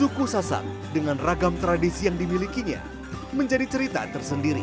suku sasak dengan ragam tradisi yang dimilikinya menjadi cerita tersendiri